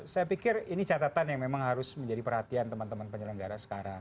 saya pikir ini catatan yang memang harus menjadi perhatian teman teman penyelenggara sekarang